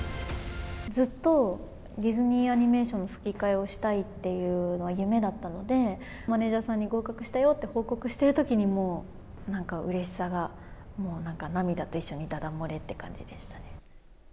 ずっとディズニーアニメーションの吹き替えをしたいっていうのは夢だったので、マネージャーさんに合格したよって報告しているときにもう、なんかうれしさがもう、涙と一緒にだだ漏れって感じでしたね。